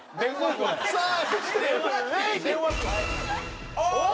さあそして礼二。